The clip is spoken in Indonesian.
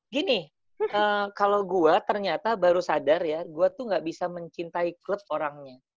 gini kalau gue ternyata baru sadar ya gue tuh gak bisa mencintai klub orangnya